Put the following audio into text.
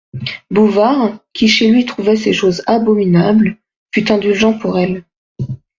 Bouvard, qui chez lui trouvait ces choses abominables, fut indulgent pour elles.